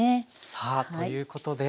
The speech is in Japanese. さあということで。